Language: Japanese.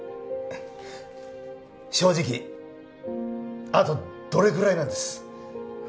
正直あとどれぐらいなんです？